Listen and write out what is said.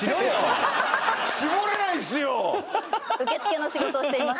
「受付の仕事をしています」